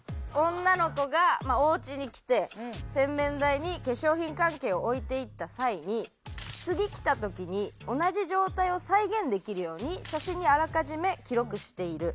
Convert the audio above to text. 女の子がおうちに来て洗面台に化粧品関係を置いていった際に次来た時に同じ状態を再現できるように写真にあらかじめ記録している。